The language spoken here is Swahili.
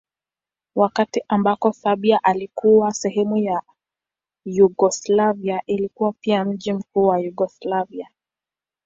Wakati ambako Serbia ilikuwa sehemu ya Yugoslavia ilikuwa pia mji mkuu wa Yugoslavia.